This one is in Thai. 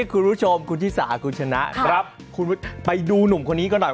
คุณนี่รู้เยอะนั้นเนี่ย